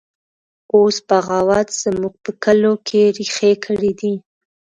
اوس بغاوت زموږ په کلو کې ریښې کړي دی